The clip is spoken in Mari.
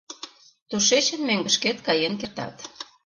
Тушечын мӧҥгышкет каен кертат.